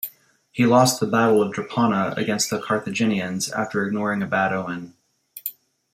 He lost the Battle of Drepana against the Carthaginians after ignoring a bad omen.